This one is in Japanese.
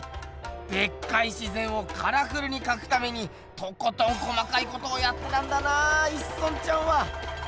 でっかい自ぜんをカラフルにかくためにとことん細かいことをやったんだな一村ちゃんは。